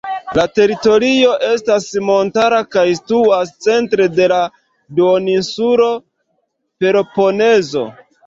La teritorio estas montara kaj situas centre de la duoninsulo Peloponezo.